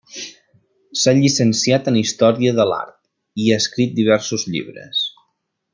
S'ha llicenciat en Història de l'Art i ha escrit diversos llibres.